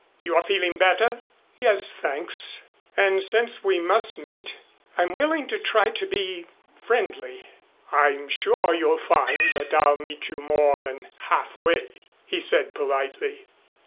You are feeling better?" "Yes, thanks. And since we must meet I am willing to try to be friendly." "I'm sure you'll find that I'll meet you more than halfway," he said politely.